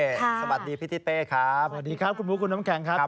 สวัสดีพี่ทิเป้ครับสวัสดีครับคุณบุ๊คคุณน้ำแข็งครับ